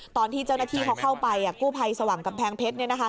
ตอนที่เจ้าหน้าที่เขาเข้าไปกู้ภัยสว่างกำแพงเพชร